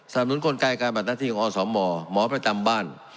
สำนุนกลไกการประทัดที่ของอสมหมอปกรณ์บ้าน